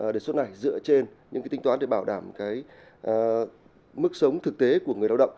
đề xuất này dựa trên những tinh toán để bảo đảm mức sống thực tế của người lao động